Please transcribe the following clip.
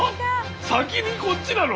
先にこっちなの？